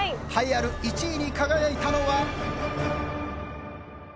栄えある１位に輝いたのは。